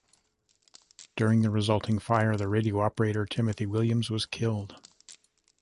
During the resulting fire the radio operator, Timothy Williams, was killed.